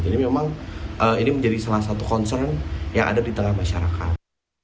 jadi memang ini menjadi salah satu concern yang ada di tengah masyarakat